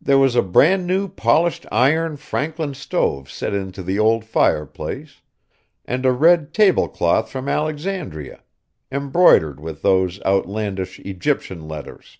There was a bran new polished iron Franklin stove set into the old fireplace, and a red table cloth from Alexandria, embroidered with those outlandish Egyptian letters.